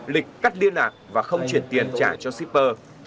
lịch cắt liên lạc và không chuyển tiền trả cho shipper